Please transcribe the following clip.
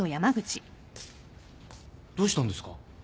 どうしたんですか？